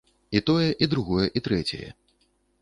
І тое, і другое, і трэцяе!